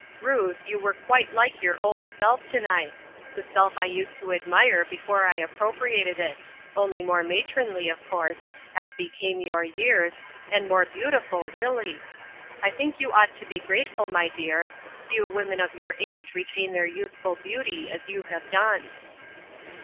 Ruth, you were quite like your old self to night. The self I used to admire before I appropriated it ; only more matronly, of course, as became your years, and more beautiful, really. I think you ought to be grateful, my dear. Few women of your age retain their youthful beauty as you have done."